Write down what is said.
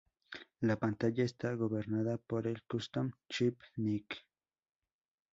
La pantalla está gobernada por el "custom chip" Nick.